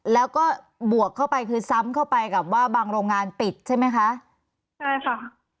แล้วก็บวกเข้าไปคือซ้ำเข้าไปกับว่าบางโรงงานปิดใช่ไหมคะใช่ค่ะ